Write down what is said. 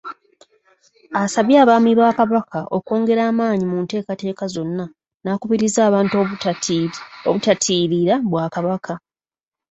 Asabye abaami ba Kabaka okwongera amaanyi mu nteekateeka zonna n’akubiriza abantu obutatiirira Bwakabaka.